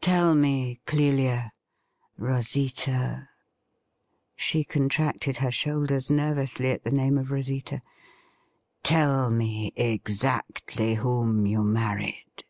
Tell me, Clelia — Rosita' — she contracted her shoulders nervously at the name of Rosita —' tell me exactly whom you married